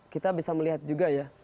kita bisa melihat juga ya